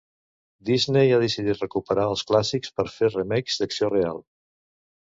Disney ha decidit recuperar els clàssics per fer remakes d'acció real.